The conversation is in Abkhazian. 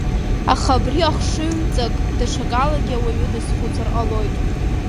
Аха абри ахшыҩҵак даҽакалагьы ауаҩы дазхәыцыр ҟалоит.